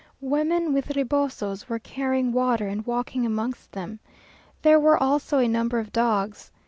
Women with rebosos, were carrying water, and walking amongst them. There were also a number of dogs.